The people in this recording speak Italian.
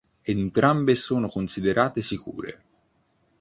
Entrambe sono considerate sicure.